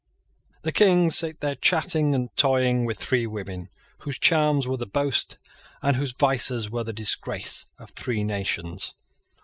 The king sate there chatting and toying with three women, whose charms were the boast, and whose vices were the disgrace, of three nations.